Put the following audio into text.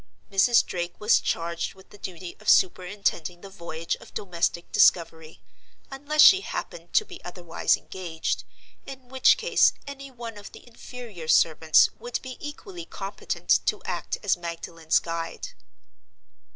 Mrs. Drake was charged with the duty of superintending the voyage of domestic discovery, unless she happened to be otherwise engaged—in which case any one of the inferior servants would be equally competent to act as Magdalen's guide.